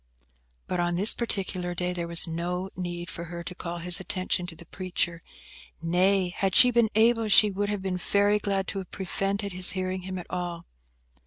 But on this particular day there was no need for her to call his attention to the preacher; nay, had she been able, she would have been very glad to have prevented his hearing him at all.